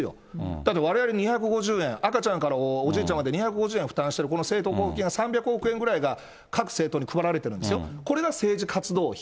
だってわれわれ２５０円、赤ちゃんからおじいちゃんまで２５０円負担している、この政党交付金が３００億円ぐらいが、各政党に配られているんですよ、これが政治活動費。